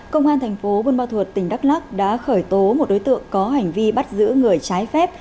công an thành phố bôn bà thuật tỉnh đắk lắc đã khởi tố một đối tượng có hành vi bắt giữ người trái phép